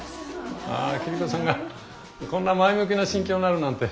桐子さんがこんな前向きな心境になるなんて。